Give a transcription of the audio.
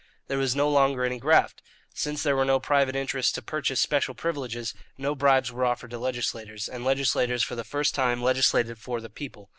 There was no longer any graft. Since there were no private interests to purchase special privileges, no bribes were offered to legislators, and legislators for the first time legislated for the people.